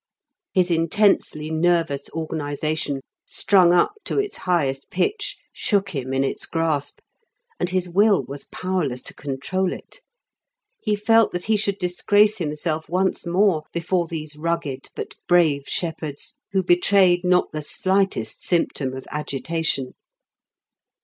His intensely nervous organization, strung up to its highest pitch, shook him in its grasp, and his will was powerless to control it. He felt that he should disgrace himself once more before these rugged but brave shepherds, who betrayed not the slightest symptom of agitation.